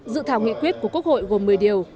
dự thảo nghị quyết của quốc hội gồm một mươi điều